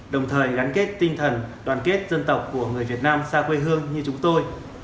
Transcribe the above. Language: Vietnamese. đồng thời gắn kết tinh thần đoàn kết dân tộc của người việt nam xa quê hương như chúng tôi